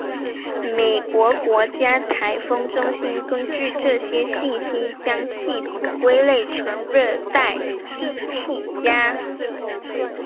美国国家飓风中心根据这些信息将系统归类成热带低气压。